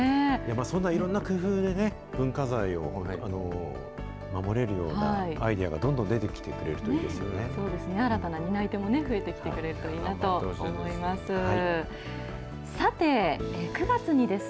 そんないろんな工夫でね、文化財を守れるようなアイデアがどんどん出てきてくれるといいですそうですね、新たな担い手も増えてきてくれるといいなと思います。